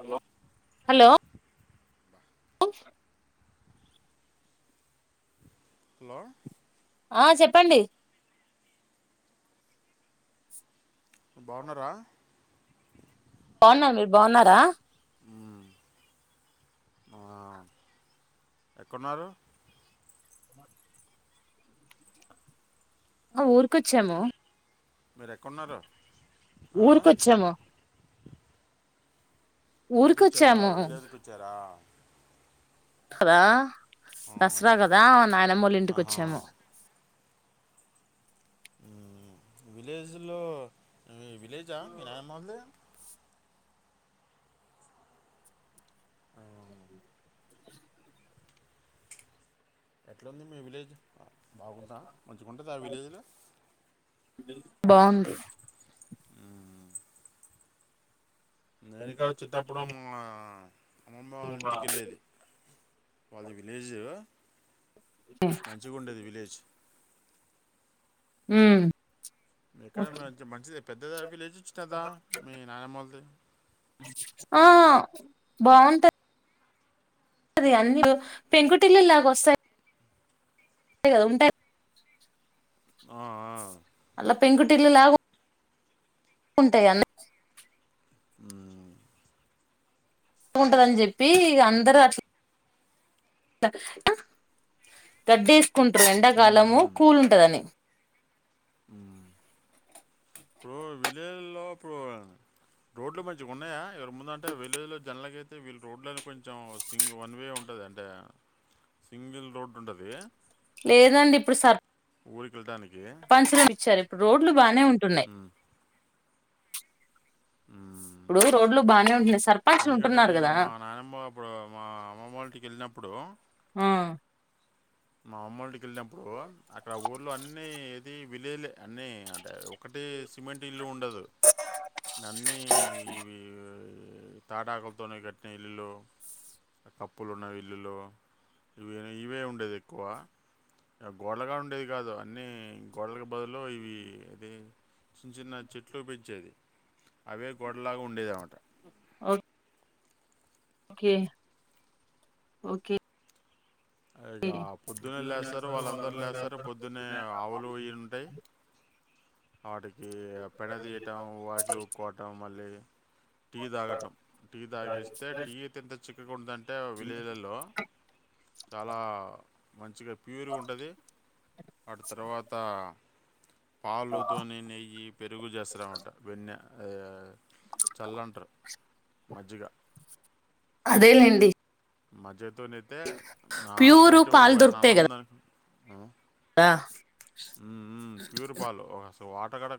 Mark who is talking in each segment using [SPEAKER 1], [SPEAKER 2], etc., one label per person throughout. [SPEAKER 1] Hello.. hello లో
[SPEAKER 2] hello
[SPEAKER 1] ఆ చెప్పండి
[SPEAKER 2] బాగున్నారా
[SPEAKER 1] బాగున్నా, మీరు బాగున్నారా
[SPEAKER 2] హ్మ్ వావ్ ఎక్కన్నారు
[SPEAKER 1] ఆ ఊరుకొచ్చాము
[SPEAKER 2] మీరేక్కన్నారు
[SPEAKER 1] ఊరుకోచ్చాము
[SPEAKER 2] ఊరుకొచ్చార
[SPEAKER 1] ఊరికొచ్చాము
[SPEAKER 2] వీలేజ్ కొచ్చార
[SPEAKER 1] హలో
[SPEAKER 2] ఆ,
[SPEAKER 1] దసరా కదా నాయనమ్మ వాళ్ల ఇంటికి
[SPEAKER 2] ఆహా
[SPEAKER 1] వచ్చాము
[SPEAKER 2] హ్మ్ విలేజ్ లో హ్మ్ విలెజా మీనాయనమోల్లది అవు ఎట్లుంది మీ విలేజ్ బాగుందా మంచిగా ఉంటుంది ఆ విలేజ్లో
[SPEAKER 1] బాగుంది
[SPEAKER 2] నేను కుడ చిన్నప్పుడు మ అమ్మమ్మ వాళ్ళ ఇంటికేళ్ళేది వాళ్ళది విలేజ్ మంచిగుండేది విలేజ్
[SPEAKER 1] హ్మ్
[SPEAKER 2] ఎక్కడ మంచిది పెద్దది విలేజ్ చ్చినదా మీ నానమ్మోల్లది
[SPEAKER 1] ఆ బాగుంటద్ అది అన్ని పెంకుటిల్లులాగ వస్తాయి కద ఉంటా
[SPEAKER 2] ఆ.. ఆ
[SPEAKER 1] పెంకుట్టిల్లులాగ ఉంటాయన్ని
[SPEAKER 2] హ్మ్
[SPEAKER 1] ఉంటదని చెప్పి ఇగ అందరూ అట్లా గడ్డెస్ కుంటారు
[SPEAKER 2] హ్మ్
[SPEAKER 1] ఎండాకాలము
[SPEAKER 2] హ్మ్
[SPEAKER 1] కూల్ ఉంటుదని
[SPEAKER 2] ఇప్పుడు విలేజ్లో ఇప్పుడు రోడ్లు మంచిగా ఉన్నాయా ఇక్కడ ముంద అంటే విలేజ్లో జనరల్గ అయితే వీళ్ళు రోడ్ల కొంచెం సింగ వన్ వే ఉంటుంది అంటే సింగిల్ రోడ్డు ఉంటుంది
[SPEAKER 1] లేదండి ఇప్పుడు సర్
[SPEAKER 2] ఊరికేల్డానీకి
[SPEAKER 1] పంచర్ ఎపించారు ఇప్పు రోడ్లు బానే ఉంటున్నాయి
[SPEAKER 2] హ్మ్.
[SPEAKER 1] ఇప్పుడు రోడ్లు బానే ఉంటున్నాయి సర్పంచులు
[SPEAKER 2] ఎందుకంటే
[SPEAKER 1] ఉంటున్నారు
[SPEAKER 2] నేను
[SPEAKER 1] కదా
[SPEAKER 2] మా నానమ్మ అప్పుడు మా అమ్మమ్మ వాళ్ వెళ్ళినప్పుడు
[SPEAKER 1] ఆ
[SPEAKER 2] మా అమ్మఇంటికి వెళ్ళినప్పుడు అక్కడ ఊళ్ళ అన్ని ఇది అంటే [unintelligible] ఒకటి సిమెంట్ ఇల్లు ఉండదు అన్నీ ఇవి తాటాకులతోనే కట్టిన ఇల్లులు కప్పులు ఉన్న ఇల్లులో ఇవ ఇవే ఉండేది ఎక్కువ గోడలు కూడా ఉండేది కాదు అన్నీ గొడలకి బదులు ఇవి అది చిన్న చిన్న చెట్లు పెంచేది అవే గోడలాగా ఉండేదన్నమాట
[SPEAKER 1] ఓకే ఓకే
[SPEAKER 2] ఇక పొద్దున్న లేస్తారు వాళ్ళందరు లేస్తారు పొద్దునే ఆవులు ఇ ఉంటాయి వాటికి పెడ తీయటం వాకిలు ఉక్కోవటం మళ్ళీ టీ తాగటం టీ తాగేస్తే టీ అయితే ఎంత చిక్కగా ఉంటందంటే విలేజ్లలో చాలా మంచిగా ప్యూర్గా ఉంటుంది వాటి తర్వాత పాలు నే నెయ్యి పెరుగు చేస్తాది అన్నమాట వెన్న ఆ, చల్లంటారు మజ్జిగ
[SPEAKER 1] అదేలేండి
[SPEAKER 2] మజద్ తన అైతే ఆ
[SPEAKER 1] ప్యూరు
[SPEAKER 2] నైట్
[SPEAKER 1] పాలు
[SPEAKER 2] ఆయ అన్న
[SPEAKER 1] దొరుకుతాయి కదా
[SPEAKER 2] ఉంద ఆ ప్యూర్ పాలు వాటగాడ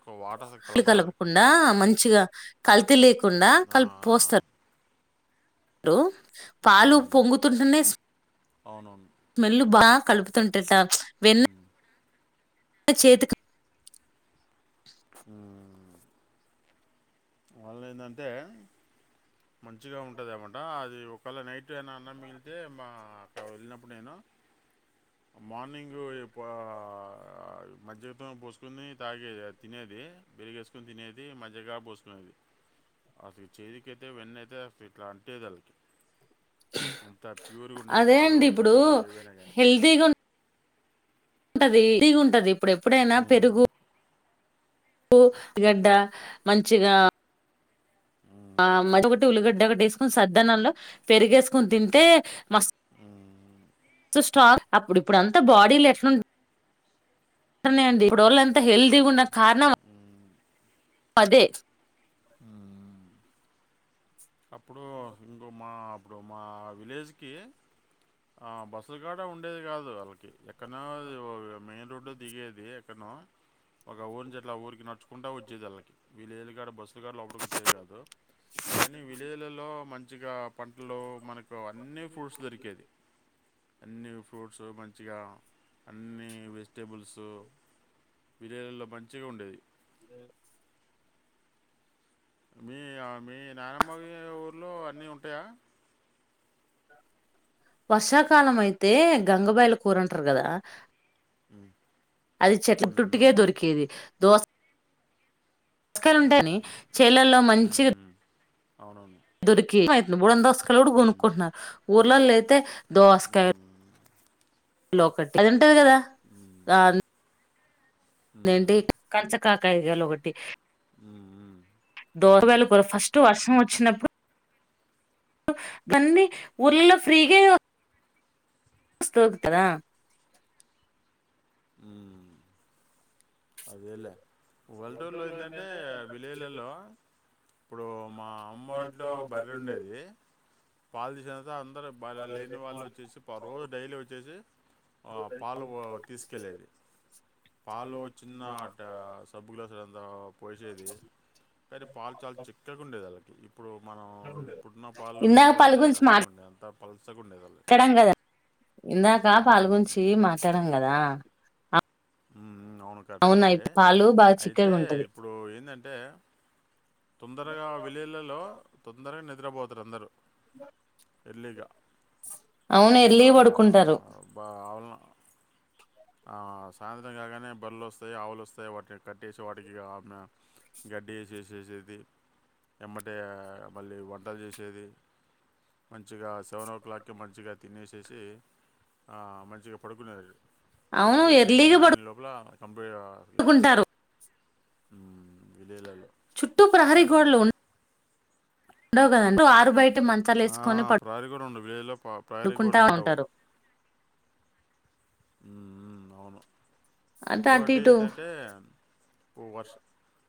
[SPEAKER 1] కళ్ళు కలపకుండా మంచిగా కల్తీ లేకుండా
[SPEAKER 2] ఆ,
[SPEAKER 1] కలిపి
[SPEAKER 2] ఆ,
[SPEAKER 1] పోస్తారు రూ పాలు
[SPEAKER 2] ఉమ్,
[SPEAKER 1] పొంగుతుంటేనే స్మెల్ బాగా కలుపుతుంట
[SPEAKER 2] ఉ
[SPEAKER 1] చేతికి
[SPEAKER 2] వాళ్ళ ఏంటంటే మంచిగా ఉంటుందన్నమాట అది ఒకవేళ నైట్ ఏనా అన్నం మిలితే మా అక్కడ వెళ్ళినప్పుడు నేను మార్నింగ్ ఇ పా మొత్తం పోసుకొని తాగేది తినేది పెరుగేస్కొని తినేది మజిగా పోసుకు ది అసలు చేతికి అయితే వెన్న అయితే అస ఇట్లా అంటేది అది అంత ప్యూర్గా ఉండేది
[SPEAKER 1] అదే
[SPEAKER 2] పాలు
[SPEAKER 1] అండి ఇప్పుడు
[SPEAKER 2] పెరుగ ఏవైనా కానీ
[SPEAKER 1] హెల్తీగా ఉంటది హెల్తీ గా ఉంటది ఇప్పుడెప్పుడైనా పెరుగు గడ్డ మంచిగా ఆ మ ఒకటి ఉల్లిగడ్డ ఒకటి వేసుకుని సద్దనంలో పెరిగేసుకొని తింటే మ స్ట్రాంగ్ అప్పుడు ఇప్పుడు అంత బాడీలు ఎట్లాడి ఇప్పుడఅంత ఎంత హెల్దీగా ఉ కరణం అదే
[SPEAKER 2] ఉమ్ అప్పుడు ఇంకో మా అప్పుడు మా విలేజ్కి బస్సులు కూడా ఉండేది కాదు వాళ్ళకి ఎక్కడనో మెయిన్ రోడ్డు దిగేది ఎక్కనో ఒక ఊరిని చెట్లా ఆ ఊరికి నడుచుకుంటూ వచ్చేది వాళ్ళకి విలేజ్ కాడ బస్సు పుగారు లోపటికి వచ్చేది కాదు కానీ విలేజ్లలో మంచి మంచిగ పంటలో మనకు అన్నీ ఫ్రూడ్స్ దొరికేది అన్ని ఫ్రూట్స్ మంచిగా అన్నీ వె వెజిటబుల్స్ బిర్యానీలో మంచిగా ఉండేది
[SPEAKER 1] అ
[SPEAKER 2] మీ ఆ మీ నానమ్మగ ఊరిలో అన్నీ ఉంటాయా
[SPEAKER 1] వర్షాకాలం అయితే గంగబాయిలు కూరంటారు కదా
[SPEAKER 2] ఉమ్,
[SPEAKER 1] అది చెట్ల చుట్టుక
[SPEAKER 2] ఉమ్,
[SPEAKER 1] దొరికేది దోస్ కాయలు
[SPEAKER 2] ఉమ్,
[SPEAKER 1] ఉంటే కాని
[SPEAKER 2] ఉమ్,
[SPEAKER 1] చేలల్లో మంచి
[SPEAKER 2] అవునడి
[SPEAKER 1] దొరికి ముడందా [inaudible] డు
[SPEAKER 2] ఉమ్,
[SPEAKER 1] కొనుక్కుంటున్నారు ఊ పిల్లోలు అయితే దోసకాయలు
[SPEAKER 2] ఉమ్,
[SPEAKER 1] లోకట్
[SPEAKER 2] ఉమ్,
[SPEAKER 1] రాన్ ఏంటి
[SPEAKER 2] ఉమ్,
[SPEAKER 1] కాకాయగాలు ఒగటి
[SPEAKER 2] ఉమ్, ఉమ్, అవును
[SPEAKER 1] దోరగాయలు కూడా ఫస్ట్ వర్ష్ వచ్చినప్పుడు దన్ని ఊర్లలో ఫ్రీగా స్తూగుతదా
[SPEAKER 2] మ్మ్ అదేలే వల్డ్ టూలో ఏంటంటే విలేలలో
[SPEAKER 1] అమ్మోలింట్లో బర్రుండేది
[SPEAKER 2] ఉండేది పాల్ దిశా అందరూ బర్రె లేని వాళ్ళు వచ్చేసి ప రోజు డైలీ వచ్చేసి ఆ పాలు తీసుకెళ్ళేది పాలు చిన్నాట్ట సబ్బు గ్లాసులల్లో పోసేది కానీ పాలు చాలా చిక్కగుండేది వల్లకీ ఇప్పుడు మనం ఇప్పుడున్న పాలుని తీసుకోవాలంటే కష్టంగా ఉండే అంత పలసగా ఉండేది వాళ్ళకి
[SPEAKER 1] ట్లడం గదా ఇందాక
[SPEAKER 2] మ్మ్.
[SPEAKER 1] పాలుగుంచి మాట్లాడాం
[SPEAKER 2] అవును
[SPEAKER 1] గదా
[SPEAKER 2] మ్మ్ అవును కట్టే కట్టే
[SPEAKER 1] ఇప్పుడు పాలు బాగా
[SPEAKER 2] అయితే
[SPEAKER 1] చిక్కగా ఉంటది
[SPEAKER 2] ఇప్పుడు ఏందంటే తొందరగా విలేలలో తొందరగా ని దరబోతరందరు ఎర్లీగా
[SPEAKER 1] అవును
[SPEAKER 2] ఆ
[SPEAKER 1] ఎర్లీ పడుకుంటారు
[SPEAKER 2] బా అవుల్నా ఆ సాయంత్రం కాగానే బర్లొస్తాయి, ఆవులొస్తాయి వాటిని కట్టేసి వాటికి ఆమె గడ్డి ఏసేసేసేది, ఎమ్మటే మళ్ళీ వంట చేసేది మంచిగా సెవెన్ ఓ క్లాక్కి మంచిగా తినేసేసి ఆ మంచిగా పడుకునేది.
[SPEAKER 1] అవును ఎ
[SPEAKER 2] టెన్ నైన్ లోపలా [unintelligible]
[SPEAKER 1] కుంటారు
[SPEAKER 2] మ్మ్
[SPEAKER 1] చుట్టూ ప్రహరీ గోడలు ఉండవు గదండి ఆరు బైట్
[SPEAKER 2] ఆ ప్రరి గొడుండవు విలేల్లో ప ప్రహరి
[SPEAKER 1] పడుకుంటా
[SPEAKER 2] గోడలుండవు
[SPEAKER 1] ఉంటారు
[SPEAKER 2] మ్మ్ మ్మ్ అవును
[SPEAKER 1] అంటే అటు
[SPEAKER 2] ఇంకోటి
[SPEAKER 1] ఇటు
[SPEAKER 2] ఏంటంటే ఇప్పు వర్షం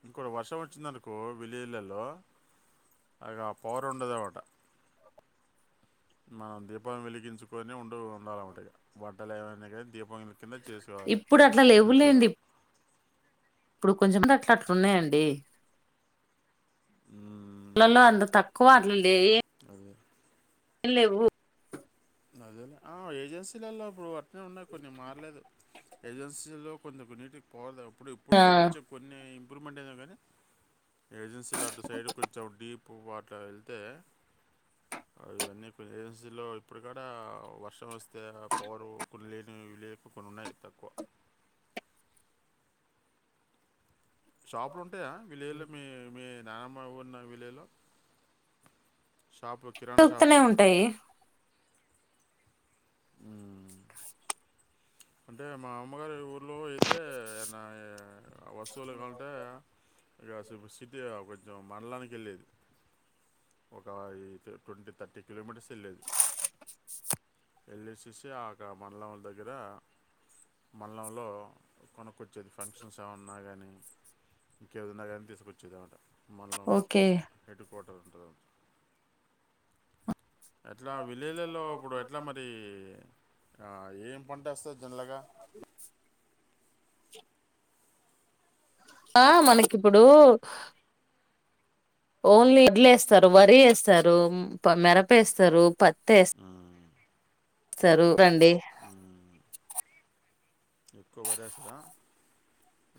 [SPEAKER 2] ఇంకో వర్షం వచ్చిందనుకో విలేల్లలో అగ పవర్ ఉండదన్నట మనం దీపం వెలిగించుకోని ఉండు ఉండాలమటై వంటలేమైనా గానీ దీపం కింద చేసుకోవాలి
[SPEAKER 1] ఇప్పుడు అట్లా లేవులేండి
[SPEAKER 2] వెలుతుూరులో
[SPEAKER 1] ఇప్పుడు కొంచెంమంది అట్లా అట్లు ఉన్నాయండి లలో అంత తకు ఓ అట్ల లెయి
[SPEAKER 2] అ
[SPEAKER 1] లెవ్వు
[SPEAKER 2] ఆ ఏజెన్సీలో బ ట్లే ఉన్నాయి కొన్ని మారలేదు ఏజెన్సీలో కొంతకు నీటికి పోలెం ఇప్పుడు
[SPEAKER 1] ఆ
[SPEAKER 2] కొంచెం కొన్ని ఇంప్రూ్మెంట్ అయినా కానీ ఏజెన్సీలు అటు సైడ్ కొంచెం డీప్ వాట్లా వెళ్తే అవన్నీ కొంచ ఏజెన్సీలో ఇప్పుడు కూడా వర్షం వస్త తెరా పవరు కులేజ్ లేక్ కొన్నిన్నాయి తక్కువ షాప్ లోన్ టే విలేజ్ లో మీ మీ నానమ్మ ఉన్న విలేజ్ లో
[SPEAKER 1] తొక్తనే ఉంటాయి
[SPEAKER 2] హ్మ అంటే మా అమ్మగారు ఊర్ ఇట్లో అయితే ఏన్న వస్తువులు కంటే ఇగా సిటీ కొంచ మాడ్లానికి వెళ్ళేది ఒక ట్వంటీ థర్టీ కిలోమీటర్స్ వెళ్ళేది వెళ్ళేసేసి ఆక్క మండలం దగ్గర మళ్ళంలో కొనుక్కొచ్చేది ఫంక్షన్స్ ఏమన్నా కానీ ఇంకేది ఉన్నా కానీ తీసుకొచ్చేది అన మాట మండలంలో
[SPEAKER 1] ఓకే
[SPEAKER 2] ఎటు హోటల్ ఉంటద ఎట్లా విలేజ్లలో ఇప్పుడు ఎట్లా మరి ఆ ఏం పంట వస్తంద్ మెల్లగా
[SPEAKER 1] ఆ మనకిప్పుడు ఓన్లీ ఇడ్లు ఏస్తారు వరి ఏస్తారు మిరప ఏ స్తారు పత్తి ఎస్
[SPEAKER 2] మ్మ్.
[SPEAKER 1] సరూ డి
[SPEAKER 2] మ్మ్. ఎక్కువ వరేస్తా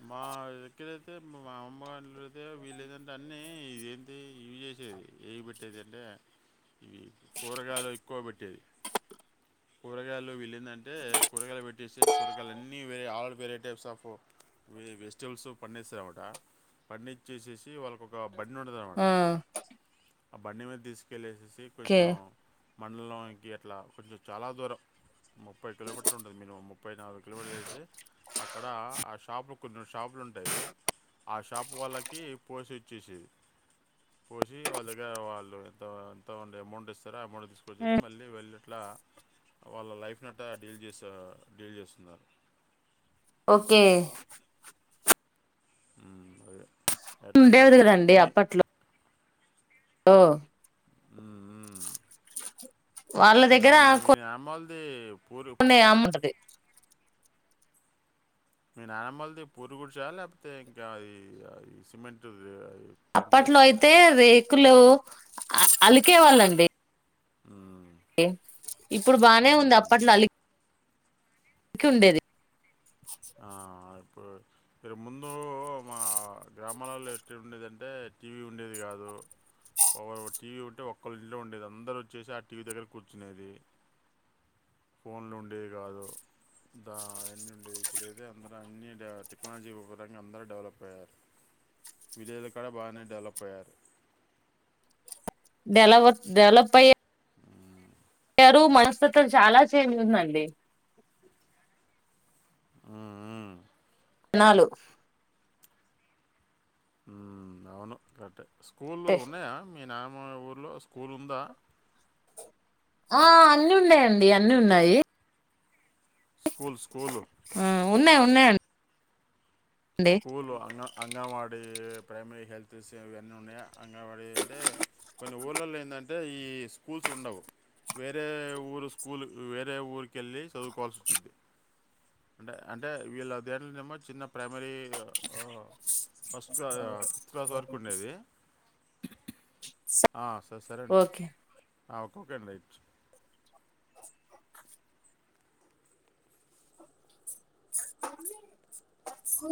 [SPEAKER 2] మా ఇక్కడైతే మా అమ్మగారి అయితే వీళ్ళ ఏంటంటే అన్నీ ఇదేంటి ఇవి చేసేది ఏవి పెట్టేది అంటే ఇవి కూరగాయలు ఎక్కువ పెట్టేది కూరగాయలు వీళ్ళ ఏందంటే కూరగాయలు పెట్ట చేసి కూర్ ఆల్ వేరే టైప్స్ ఆఫ్ వెజిటబుల్స్ పాన్డిస్తాది ది అనమాట పాడించేసేసి వాల్ ఒక బండి ఉన్నదన్నమాట.
[SPEAKER 1] ఆ
[SPEAKER 2] ఆ బండి మీద తీసుకెళ్లే ఎసేసి. అది
[SPEAKER 1] ఓకే
[SPEAKER 2] కొంచం మండలానికి అట్లా కొంచెం చాలా దూరం ముప్పై కిలోమీటర్లు ఉంటుంది. మినిమం ముప్పై నాలుగు కిలోమీటర్ వసి అక్కడ ఆ షాప్ లో కొ షాపులు ఉంటాయి ఆ షాప్ వాళ్ళకి పోసి ఇచ్చేది. పోసి వాళ్ళ దగ్గర వాళ్ళు ఎంత ఎంత అమౌంట్ ఇస్తారో అమౌంట్ తీసుకొచ్చసి మళ్ళీ వెళ్ళు అట్లా వాళ్ళ లైఫ్ ను అట్ట డీల్ చేస డీల్ చేస్తున్నారు.
[SPEAKER 1] ఓకే
[SPEAKER 2] మ్మ్ ఎట్లా ఇప్పుడు
[SPEAKER 1] ఉండేవారు కదండి
[SPEAKER 2] మీ
[SPEAKER 1] అప్పట్లో. ఓ
[SPEAKER 2] మ్మ్ మ్మ్
[SPEAKER 1] వాళ్ళ దగ్గర
[SPEAKER 2] అ
[SPEAKER 1] ఉన్నే అమంటది [unintelligible]
[SPEAKER 2] మీ నానమ్మలది పూరి గుడిస లేకపోతే ఇంకా సిమెంట్ ది ఆ
[SPEAKER 1] అప్పట్లో అయితే రేకులు అలికే వాళ్ళండి.
[SPEAKER 2] హ్మ్.
[SPEAKER 1] ఇప్పుడు బానే ఉంది
[SPEAKER 2] హ్మ్.
[SPEAKER 1] అప్పట్లో ఉండేది.
[SPEAKER 2] ఆ ఇ ఇరు ముందు మా గ్రామాలలో ఎట్లా ఉండేదంటే టీవీ ఉండేది కాదు. ఒకరు టీవీ ఉంటే ఒళ ఇంట్లో ఉండేది అందరు వచ్చేసి ఆ టీవీ దగ్గర కూర్చునేది ఫోన్లు ఉండేది కాదు దా అన్నీ ఉండేవి. ఇప్పుడైతే అందరూ అన్ని టెక్నాలజీ పరంగా అందరూ డెవలప్ అయ్యారు విలేజ్లు కూడా బాగానే డెవలప్ అయ్యారు.
[SPEAKER 1] డెలా డెవలప్ అయ్యే. మనస్తత్వం చాలా చేంజ్ ఉందండి.
[SPEAKER 2] ఉమ్ ఉం
[SPEAKER 1] నాలు
[SPEAKER 2] ఉమ్ అవును కరెక్టే. స్కూల్లు ఉన్నాయా మీ నానమ్మ. మా ఊర్లో స్కూల్ ఉందా.
[SPEAKER 1] ఆ అన్నీ ఉన్నాయండి అన్ని ఉన్నాయి.
[SPEAKER 2] స్కూల్ స్కూళ్లు.
[SPEAKER 1] ఆ ఉన్నాయి ఉన్నాయండి
[SPEAKER 2] స్కూలు అంగ అంగన్వాడీ. ప్రైమరీ హెల్త్ ఇవన్నీ ఉన్నాయా అంగన్ వాడి ఏ అంటే కొన్ని ఊర్ళలో ఏంటంటే ఈ స్కూల్స్ ఉండవు. వేరే ఊరు స్కూల్ వేరే ఊరిక వెళ్ళి చదువుకోవాల్సి వచ్చిది. అంటే అంటే వీళ్ళది చిన్న ప్ర మరి ఫస్ట్ క ఫిఫ్త్ క్లాస్ వరకు ఉండేది ఆ సరే సరే అండి.
[SPEAKER 1] ఓకే
[SPEAKER 2] అ ఒక్కకేండీచ్
[SPEAKER 1] కు